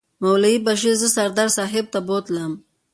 مولوي بشیر زه سردار صاحب ته بوتلم.